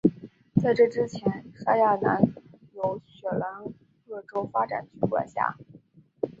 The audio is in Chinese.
在这之前沙亚南由雪兰莪州发展局管辖。